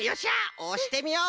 おしてみよう！